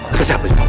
kata siapa aja pak